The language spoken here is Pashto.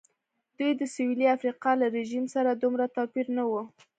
دوی د سوېلي افریقا له رژیم سره دومره توپیر نه و.